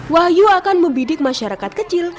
wahyu akan membidik masyarakat kecil